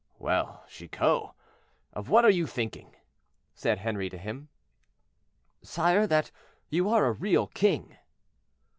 "Well, Chicot, of what are you thinking?" said Henri to him. "Sire, that you are a real king."